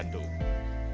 artabima aditya padma